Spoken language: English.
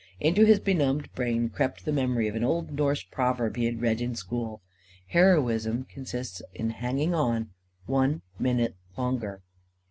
Into his benumbed brain crept the memory of an old Norse proverb he had read in school: "_Heroism consists in hanging on, one minute longer.